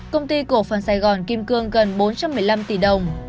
công ty cổ phần sài gòn kim cương gần bốn trăm một mươi năm tỷ đồng